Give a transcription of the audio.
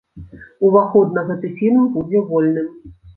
Уваход на гэты фільм будзе вольным.